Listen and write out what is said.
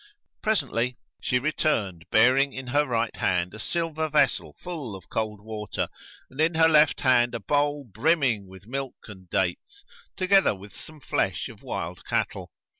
Presently she returned bearing in her right hand a silver vessel full of cold water and in her left hand a bowl brimming with milk and dates, together with some flesh of wild cattle.